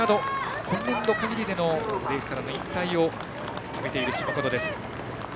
今年度限りでのレースからの引退を決めている下門です。